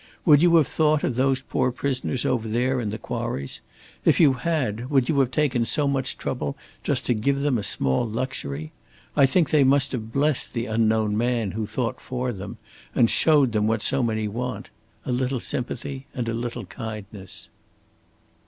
Would you have thought of those poor prisoners over there in the quarries? If you had, would you have taken so much trouble just to give them a small luxury? I think they must have blessed the unknown man who thought for them and showed them what so many want a little sympathy and a little kindness."